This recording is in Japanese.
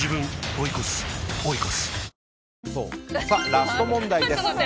ラスト問題です。